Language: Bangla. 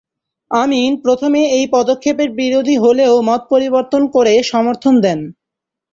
আমিন প্রথমে এই পদক্ষেপের বিরোধী হলেও মত পরিবর্তন করে সমর্থন দেন।